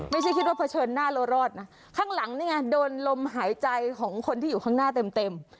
ไม่ใช่คิดว่าเผชิญหน้าแล้วรอดนะข้างหลังนี่ไงโดนลมหายใจของคนที่อยู่ข้างหน้าเต็มเต็ม